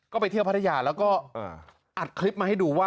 ก็ไปเที่ยวพัทยาแล้วก็อัดคลิปมาให้ดูว่า